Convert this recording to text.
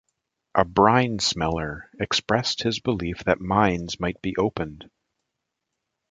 A ‘brine smeller’ expressed his belief that mines might be opened.